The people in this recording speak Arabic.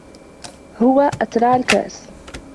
هو أترعَ الكأسَ.